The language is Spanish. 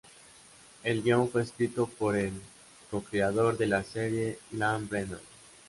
El guion fue escrito por el co-creador de la serie Ian Brennan.